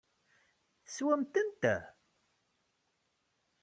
Teswam-tent?